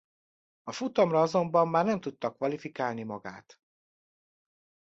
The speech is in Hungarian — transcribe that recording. A futamra azonban már nem tudta kvalifikálni magát.